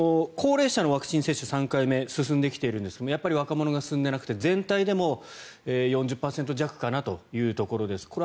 高齢者のワクチン接種３回目進んできているんですがやっぱり若者が進んでいなくて全体でも４０％弱かなというところです。